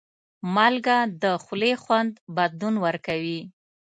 مالګه د خولې خوند بدلون ورکوي.